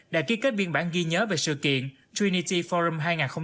đã ký kết biên bản ghi nhớ về sự kiện trinity forum hai nghìn hai mươi bốn